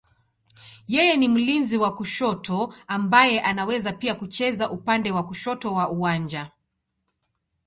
Yeye ni mlinzi wa kushoto ambaye anaweza pia kucheza upande wa kushoto wa uwanja.